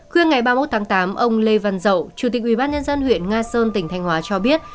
khuya ngày ba mươi một tháng tám ông lê văn dậu chủ tịch ubnd huyện nga sơn tỉnh thanh hóa cho biết